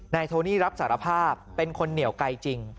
โทนี่รับสารภาพเป็นคนเหนียวไกลจริง